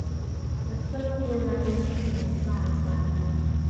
Yatusabye okubeera abeerufu mu nsaansaanya.